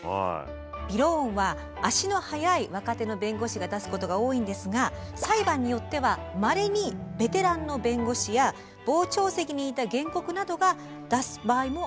びろーんは足の速い若手の弁護士が出すことが多いんですが裁判によってはまれにベテランの弁護士や傍聴席にいた原告などが出す場合もあるということです。